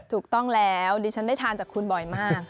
ถูกต้องแล้วดิฉันได้ทานจากคุณบ่อยมาก